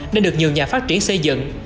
nên được nhiều nhà phát triển xây dựng